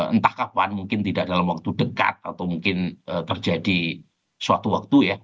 entah kapan mungkin tidak dalam waktu dekat atau mungkin terjadi suatu waktu ya